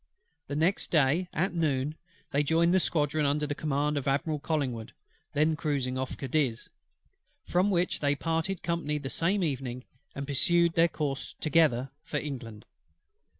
The next day at noon they joined the squadron under the command of Admiral COLLINGWOOD, then cruising off Cadiz; from which they parted company the same evening, and pursued their course together for England.